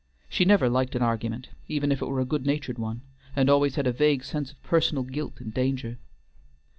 She never liked an argument, even if it were a good natured one, and always had a vague sense of personal guilt and danger.